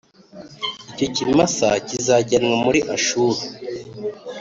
Icyo kimasa kizajyanwa muri Ashuru,